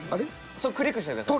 それクリックしてください。